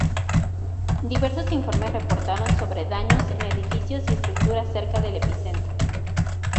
Diversos informes reportaron sobre daños en edificios y estructuras cerca del epicentro.